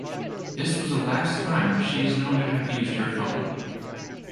This was the last time she is known to have used her phone.